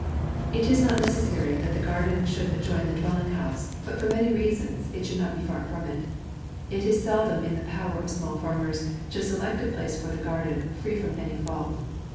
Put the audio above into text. It is not necessary that the garden should adjoin the dwelling house, but for many rea sons, it should not be far from it. It is seldom in the power of small farmers to select a place for the garden, free from any fault.